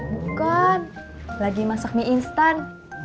bukan lagi masak mie instan